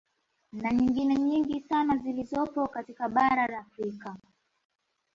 Na nyingine nyingi sana zilizopo katika bara la Afrika